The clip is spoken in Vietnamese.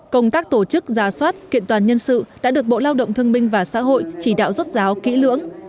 công tác tổ chức giả soát kiện toàn nhân sự đã được bộ lao động thương minh và xã hội chỉ đạo rốt ráo kỹ lưỡng